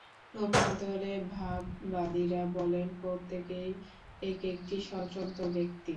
পক্ষান্তরে ভাববাদীরা বলেন, প্রত্যেকেই এক-একটি স্বতন্ত্র ব্যক্তি।